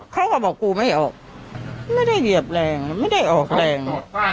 เขาก็บอกกูไม่ออกไม่ได้เหยียบแรงไม่ได้ออกแรง